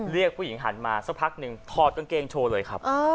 เรียกผู้หญิงหันมาสักพักหนึ่งถอดกางเกงโชว์เลยครับ